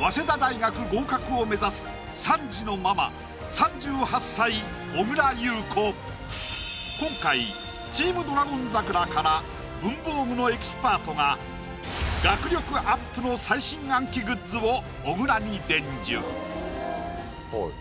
早稲田大学合格を目指す今回チーム「ドラゴン桜」から文房具のエキスパートが学力アップの最新暗記グッズを小倉に伝授！